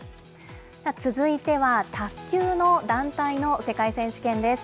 続いては、卓球の団体の世界選手権です。